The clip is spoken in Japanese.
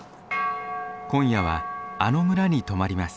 今夜はあの村に泊まります。